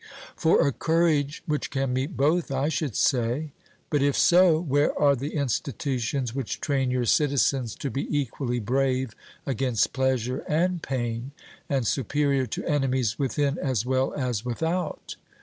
'For a courage which can meet both, I should say.' But if so, where are the institutions which train your citizens to be equally brave against pleasure and pain, and superior to enemies within as well as without?